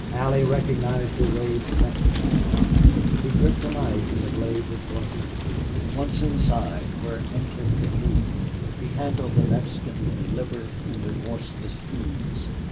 Allie recognized Durade's Mexican ally. He gripped a knife and the blade was bloody. Once inside, where Ancliffe could move, he handled the Mexican with deliberate and remorseless ease.